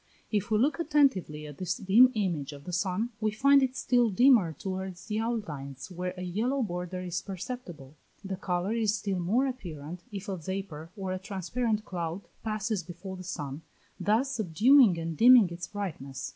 If we look attentively at this dim image of the sun, we find it still dimmer towards the outlines where a yellow border is perceptible. The colour is still more apparent if a vapour or a transparent cloud passes before the sun, thus subduing and dimming its brightness.